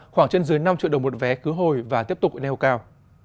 khoảng trên dưới năm triệu đồng một vé cứu hồi và tiếp tục neo cao